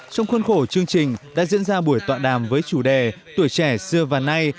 trong khuôn khổ chương trình đã diễn ra buổi tọa đàm với chủ đề tuổi trẻ xưa và nay